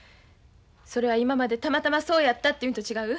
それは今までたまたまそうやったっていうんと違う？